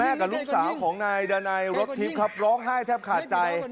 กับลูกสาวของนายดานัยรถทิพย์ครับร้องไห้แทบขาดใจ